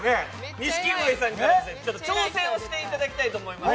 錦鯉さんから挑戦していただきたいと思います